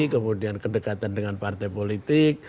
kemudian kedekatan dengan partai politik